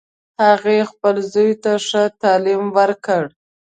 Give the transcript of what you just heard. هغې خپل زوی ته ښه تعلیم ورکړ